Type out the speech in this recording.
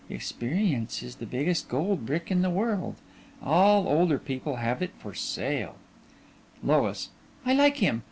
Experience is the biggest gold brick in the world. All older people have it for sale. LOIS: I like him.